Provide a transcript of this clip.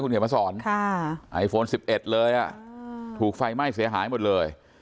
คุณเขียนมาสอนค่ะไอโฟนสิบเอ็ดเลยอ่ะถูกไฟไหม้เสียหายหมดเลย